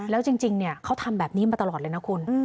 แล้วจริงเขาทำแบบนี้มาตลอดเลยนะคุณ